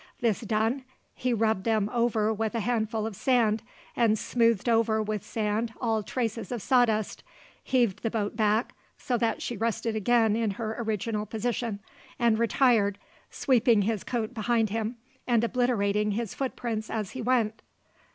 This done be rubbed them over with a handful of sand, and smoothed over with sand all traces of sawdust, heaved the boat back, so that she rested again in her original position; and retired, sweeping his coat behind him, and obliterating his footprints as he went.